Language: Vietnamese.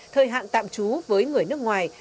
thời hạn tạm trú với người nước ngoài